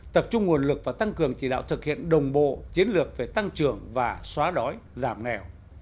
tập trung nguồn lực và tăng cường chỉ đạo thực hiện đồng bộ chiến lược về tăng trưởng và xóa đói giảm nghèo